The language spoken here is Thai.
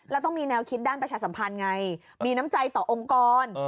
แล้วต้องมีแนวคิดด้านประชาสัมพันธ์ไงมีน้ำใจต่อองค์กร